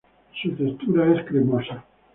Su textura es cremosa.